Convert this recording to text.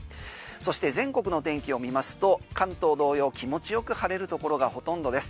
そして全国の天気を見ますと関東同様気持ちよく晴れるところがほとんどです。